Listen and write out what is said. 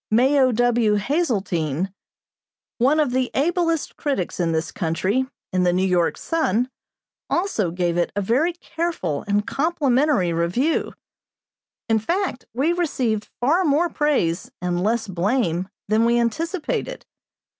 Mayo W. Hazeltine, one of the ablest critics in this country, in the New York Sun, also gave it a very careful and complimentary review. In fact, we received far more praise and less blame than we anticipated.